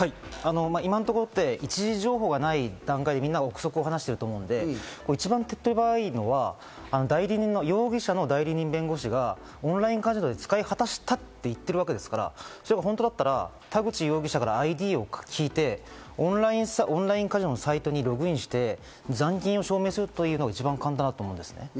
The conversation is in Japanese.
一次情報がない段階で臆測でみんな話していると思うので、手っ取り早いのは代理人弁護士がオンラインカジノで使い果たしたと言ってるわけですから、本当だったら田口容疑者のＩＤを聞いてオンラインカジノのサイトにログインして残金を証明するというのが一番簡単だと思います。